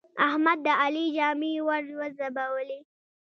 احمد د علي ژامې ور وځبلې.